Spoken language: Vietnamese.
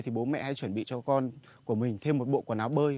thì bố mẹ chuẩn bị cho con của mình thêm một bộ quần áo bơi